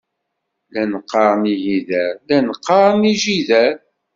Llan qqaren igider, llan qqaren ijider.